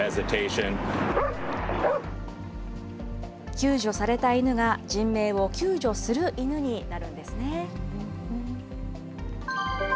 救助された犬が、人命を救助する犬になるんですね。